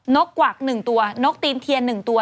กกวัก๑ตัวนกตีนเทียน๑ตัว